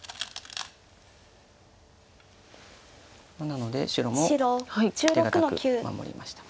なので白も手堅く守りました。